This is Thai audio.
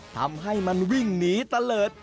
ทำให้มันวิ่งหนีตะเลิศ